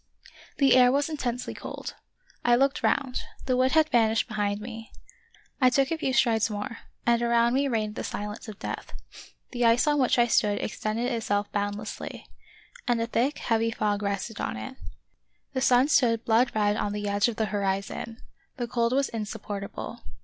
The air was intensely cold ; I looked round — the wood had vanished behind me. I took a few strides more — and around me reigned the silence of death : the ice on which I stood extended itself boundlessly, and a thick, heavy fog rested on it. The sun stood blood red on the edge of the horizon. The cold was insupportable.